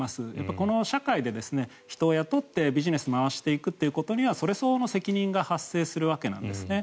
この社会で、人を雇ってビジネスを回していくということにはそれ相応の責任が発生するわけなんですね。